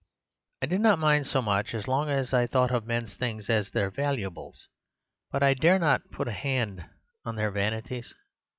I did not mind so much, as long as I thought of men's things as their valuables; but I dare not put a hand upon their vanities.